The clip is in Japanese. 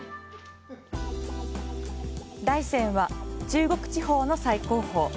大山は中国地方の最高峰。